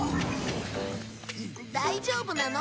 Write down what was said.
大丈夫なの？